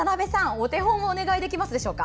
お手本をお願いできますでしょうか？